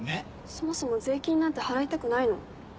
そもそも税金なんて払いたくないの。